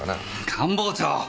官房長！